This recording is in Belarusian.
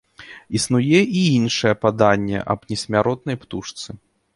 Існуе і іншае паданне аб несмяротнай птушцы.